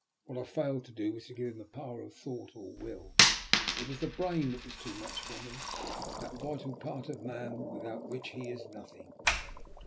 What I failed to do was to give him the power of thought or will. It was the brain that was too much for me, that vital part of man without which he is nothing.